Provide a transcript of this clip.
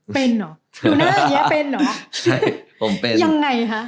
เป็นหรอดูหน้าแบบนี้เป็นหรอใช่ผมเป็นยังไงฮะ